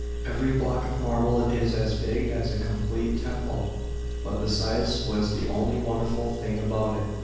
Every block of marble is as big a< a C' mplete temple." But the size was the only wonderful th ng ab >ut it.